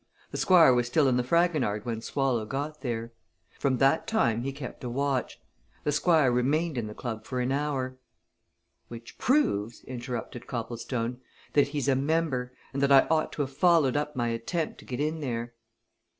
The Squire was still in the Fragonard when Swallow got there: from that time he kept a watch. The Squire remained in the Club for an hour " "Which proves," interrupted Copplestone, "that he's a member, and that I ought to have followed up my attempt to get in there."